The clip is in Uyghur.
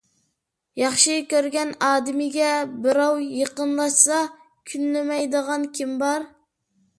ياخشى كۆرگەن ئادىمىگە بىراۋ يېقىنلاشسا كۈنلىمەيدىغان كىم بار؟